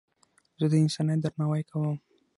زه د انسانیت درناوی کوم.